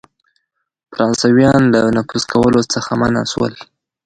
فرانسیویان له نفوذ کولو څخه منع سول.